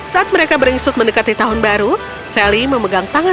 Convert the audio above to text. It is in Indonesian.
saat mereka beringsut mendekati tahun baru sally memegang tangan